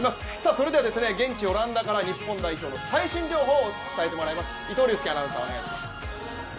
それでは現地オランダから日本代表の最新情報を伝えてもらいます。